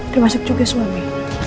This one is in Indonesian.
termasuk juga suami